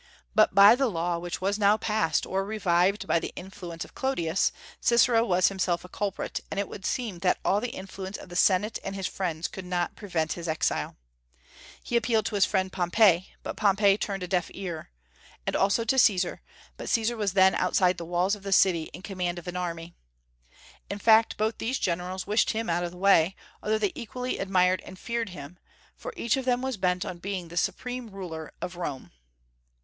But by the law which was now passed or revived by the influence of Clodius, Cicero was himself a culprit, and it would seem that all the influence of the Senate and his friends could not prevent his exile. He appealed to his friend Pompey, but Pompey turned a deaf ear; and also to Caesar, but Caesar was then outside the walls of the city in command of an army. In fact, both these generals wished him out of the way, although they equally admired and feared him; for each of them was bent on being the supreme ruler of Rome.